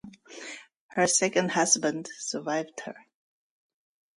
Her second husband survived her.